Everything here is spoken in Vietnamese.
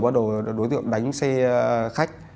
bắt đầu đối tượng đánh xe khách